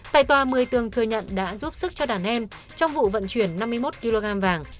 tại tòa một mươi tường thừa nhận đã giúp sức cho đàn em trong vụ vận chuyển năm mươi một kg vàng